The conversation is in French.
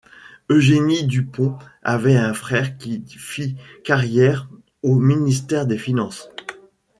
Eugénie Dupont avait un frère qui fit carrière au Ministère des finances.